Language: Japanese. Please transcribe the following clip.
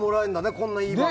こんないい番号。